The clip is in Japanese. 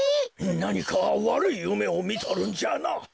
なにかわるいゆめをみとるんじゃな。